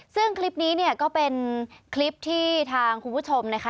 ซึ่งคลิปนี้เนี่ยก็เป็นคลิปที่ทางคุณผู้ชมนะคะ